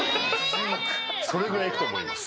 それぐらいいくと思います。